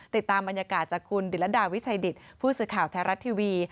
ติดตามบรรยากาศจากคุณดิลดาวิชัยดิตผู้สื่อข่าวไทยรัฐทีวี